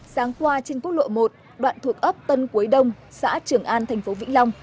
sáng qua trên quốc lộ một đoạn thuộc ấp tân cuối đông xã trường an thành phố vĩnh long